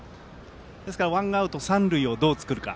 ワンアウト、三塁をどう作るか。